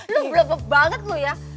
lu blok banget lu ya